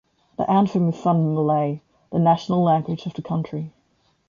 The anthem is sung in Malay, the national language of the country.